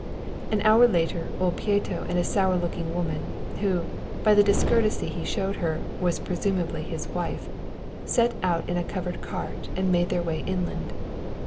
An hour later old Pieto and a sour looking woman, who, by the discourtesy he showed her, was presumably his wife, set out in a covered cart and made their way inland.